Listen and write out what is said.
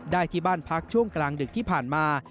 ที่บ้านพักช่วงกลางดึกที่ผ่านมา